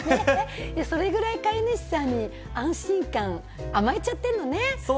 それぐらい飼い主さんに安心感、甘えちゃってるのね。